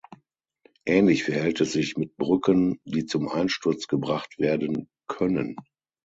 Ähnlich verhält es sich mit Brücken, die zum Einsturz gebracht werden können.